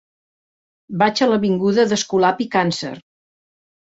Vaig a l'avinguda d'Escolapi Càncer.